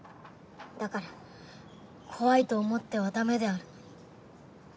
だから怖いと思っては駄目であるのに。